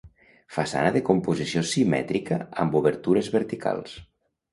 Façana de composició simètrica, amb obertures verticals.